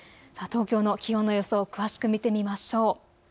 東京の気温の予想、詳しく見てみましょう。